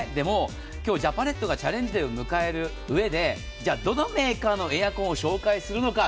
今日ジャパネットがチャレンジデーを迎えるうえでどのメーカーのエアコンを紹介するのか。